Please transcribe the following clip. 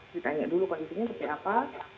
ditanya dulu kondisinya seperti apa